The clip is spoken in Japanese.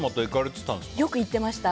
よく行ってました。